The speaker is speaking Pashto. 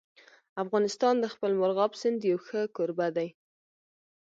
افغانستان د خپل مورغاب سیند یو ښه کوربه دی.